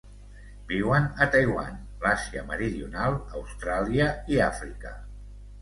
Viuen a Taiwan, l'Àsia meridional, Austràlia i Àfrica.